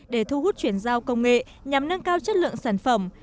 để thu hút chuyển giao công nghệ nhằm nâng cao chất lượng sản phẩm